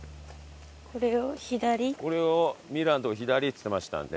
これをミラーの所左って言ってましたので。